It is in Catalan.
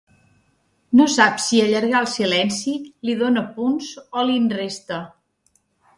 No sap si allargar el silenci li dóna punts o li'n resta.